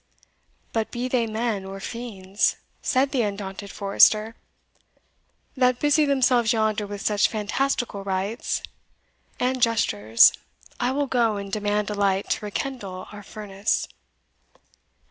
"But be they men or fiends," said the undaunted forester, "that busy themselves yonder with such fantastical rites and gestures, I will go and demand a light to rekindle our furnace."